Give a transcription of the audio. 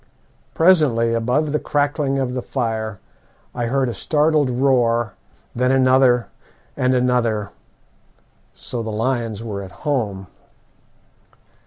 Presently, above the crackling of the fire, I heard a startled roar, then another and another. So the lions were at home.